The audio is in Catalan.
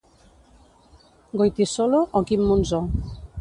Goytisolo o Quim Monzó.